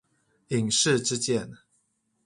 引誓之劍